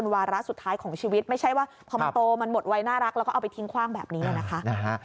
มันจะหมดไว้น่ารักแล้วก็เอาไปทิ้งขว้างแบบนี้นะคะ